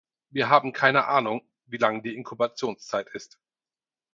Wir haben keine Ahnung, wie lang die Inkubationszeit ist.